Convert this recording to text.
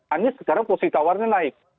anies sekarang posisi tawarnya naik